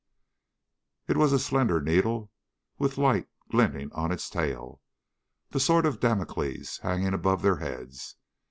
It was a slender needle with light glinting on its tail the Sword of Damocles hanging above their heads.